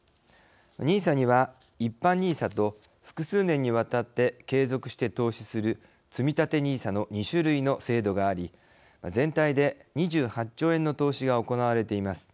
ＮＩＳＡには、一般ＮＩＳＡと複数年にわたって継続して投資するつみたてＮＩＳＡの２種類の制度があり、全体で２８兆円の投資が行われています。